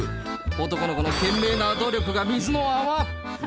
男の子の懸命な努力は水の泡。